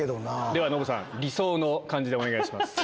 ではノブさん理想の感じでお願いします。